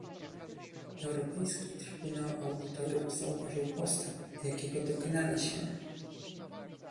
Europejski Trybunał Audytorów zauważył postęp, jakiego dokonaliśmy